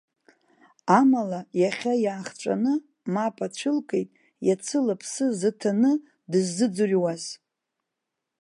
Амала, иахьа иаахҵәаны мап ацәылкит иацы лыԥсы зыҭаны дыззыӡырҩуаз.